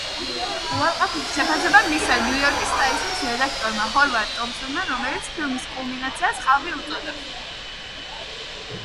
უარყოფითი შეფასება მისცა ნიუ-იორკ ტაიმზის რედაქტორმა ჰოვარდ ტომპსონმა, რომელმაც ფილმის კულმინაციას „ყალბი“ უწოდა.